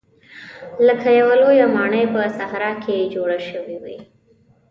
لکه یوه لویه ماڼۍ په صحرا کې جوړه شوې وي.